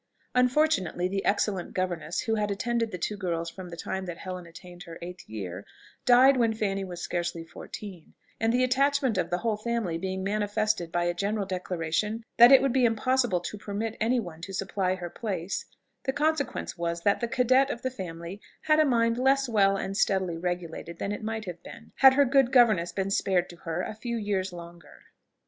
Unfortunately, the excellent governess who had attended the two girls from the time that Helen attained her eighth year died when Fanny was scarcely fourteen; and the attachment of the whole family being manifested by a general declaration that it would be impossible to permit any one to supply her place, the consequence was, that the cadette of the family had a mind less well and steadily regulated than it might have been, had her good governess been spared to her a few years longer.